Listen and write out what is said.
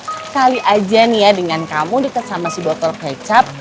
sekali aja nih ya dengan kamu deket sama si botol kecap